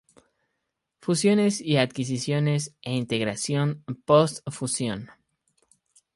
Fusiones y adquisiciones e integración post-fusión.